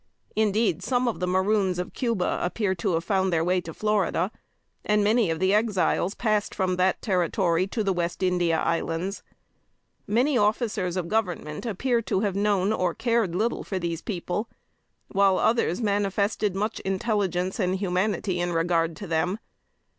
Indeed, some of the Maroons of Cuba appear to have found their way to Florida, and many of the Exiles passed from that Territory to the West India Islands. Many officers of Government appear to have known or cared little for these people, while others manifested much intelligence and humanity in regard to them.